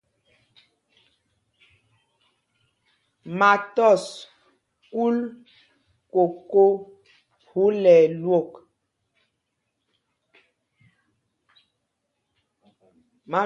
Ma tɔs kúl koko phúla ɛlwok.